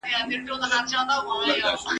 که باران وي که ژلۍ، مېلمه غواړي ښه مړۍ ..